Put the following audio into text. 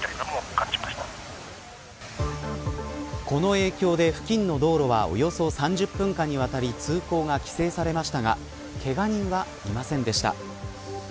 この影響で付近の道路はおよそ３０分間にわたり通行が規制されましたがけが人は、いませんでした。